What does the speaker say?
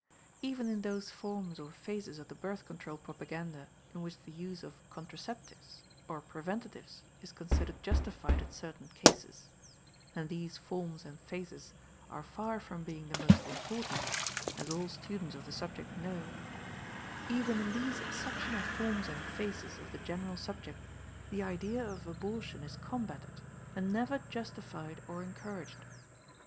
Even in those forms or phases of the Birth Control propaganda in which the use of "contraceptives," or "preventatives" is considered justified in certain cases and these forms and phases are far from being the most important, as all students of the subject know even in these exceptional forms and phases of the general subject the idea of abortion is combatted, and never justified or encouraged.